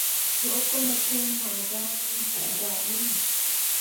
Go kome to, ma sah iŋ daa bǝulli.